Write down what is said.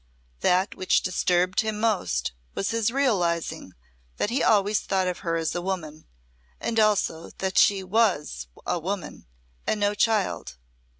That which disturbed him most was his realising that he always thought of her as a woman and also that she was a woman and no child.